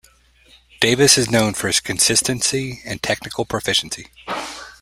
Davis is known for his consistency and technical proficiency.